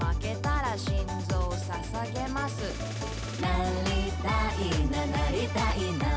「なりたいななりたいな！」